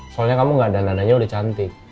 soalnya kamu gak dandan dannya udah cantik